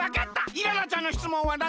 イララちゃんのしつもんはなんだっけ？